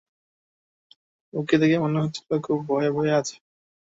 ওকে দেখে মনে হচ্ছিল খুব ভয়ে ভয়ে আছে।